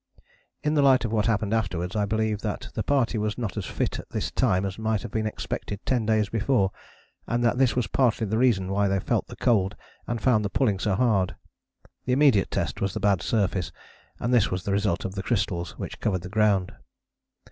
In the light of what happened afterwards I believe that the party was not as fit at this time as might have been expected ten days before, and that this was partly the reason why they felt the cold and found the pulling so hard. The immediate test was the bad surface, and this was the result of the crystals which covered the ground.